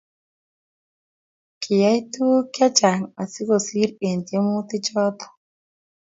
kiyay tuguuk chechang asigosiir eng tyemutichoto